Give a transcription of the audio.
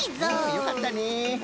よかったね。